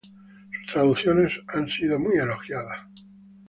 Sus traducciones han sido muy elogiadas.